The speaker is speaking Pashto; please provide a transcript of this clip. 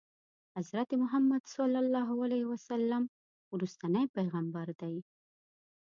حضرت محمد صلی الله علیه وسلم وروستنی پیغمبر دی.